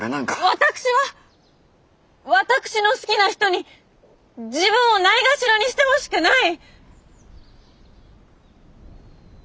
私は私の好きな人に自分を蔑ろにしてほしくない！